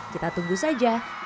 kita tunggu saja